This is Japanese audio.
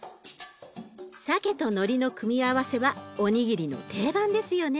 さけとのりの組み合わせはおにぎりの定番ですよね。